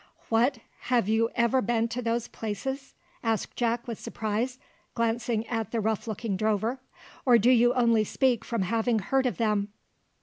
"What! have you ever been to those places?" asked Jack with surprise, glancing at the rough looking drover, "or do you only speak from having heard of them?"